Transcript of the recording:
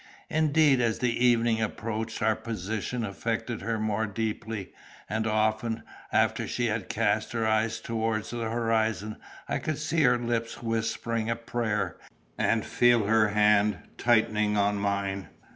Indeed, as the evening approached, our position affected her more deeply, and often, after she had cast her eyes toward the horizon, I could see her lips whispering a prayer, and feel her hand tightening on mine.